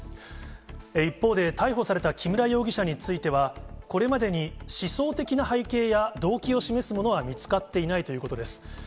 一方で、逮捕された木村容疑者については、これまでに思想的な背景や、動機を示すものは見つかっていないということです。